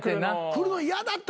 来るの嫌だっ